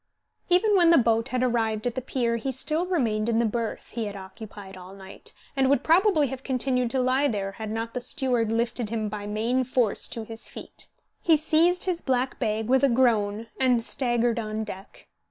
Even when the boat had arrived at the pier he still remained in the berth he had occupied all night, and would probably have continued to lie there had not the steward lifted him by main force to his feet. He seized his black bag with a groan, and staggered on deck.